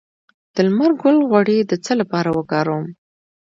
د لمر ګل غوړي د څه لپاره وکاروم؟